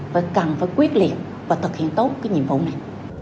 phải cần phải quyết liệt và thực hiện tốt cái nhiệm vụ này